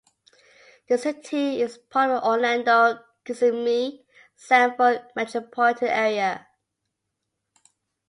The city is part of the Orlando-Kissimmee-Sanford metropolitan area.